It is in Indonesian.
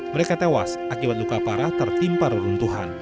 mereka tewas akibat luka parah tertimpa reruntuhan